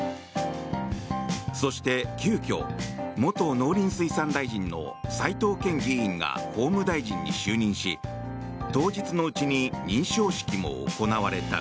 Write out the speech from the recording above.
そして、急きょ元農林水産大臣の斎藤健議員が法務大臣に就任し当日のうちに認証式も行われた。